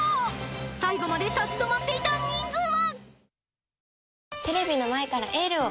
［最後まで立ち止まっていた人数は！？］